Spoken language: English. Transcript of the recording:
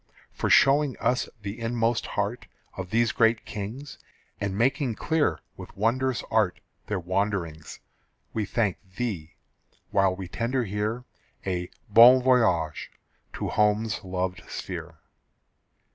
For showing us the inmost heart Of these great kings, And making clear with wondrous art Their wanderings, We thank thee, while we tender here A "bon voyage" to home's loved sphere.